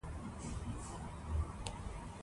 ازادي راډیو د سوداګریز تړونونه کیسې وړاندې کړي.